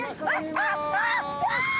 あっ。